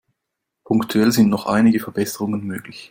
Punktuell sind noch einige Verbesserungen möglich.